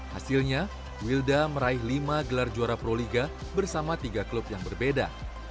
hasilnya wilda meraih lima gelar juara proliga bersama tiga klub yang berbeda